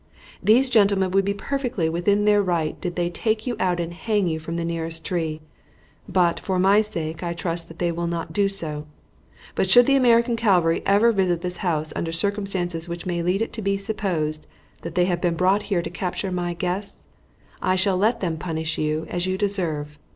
These gentlemen would be perfectly within their right did they take you out and hang you from the nearest tree; but, for my sake, I trust that they will not do so; but should the American cavalry ever again visit this house under circumstances which may lead it to be supposed that they have been brought here to capture my guests, I shall let them punish you as you deserve.